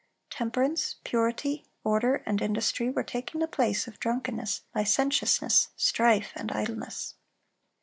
Temperance, purity, order, and industry were taking the place of drunkenness, licentiousness, strife, and idleness.